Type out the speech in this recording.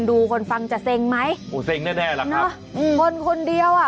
คนดูคนฟังจะเซ็งไหมอ๋อเซ็งแน่แล้วครับคนคนเดียวอ่ะ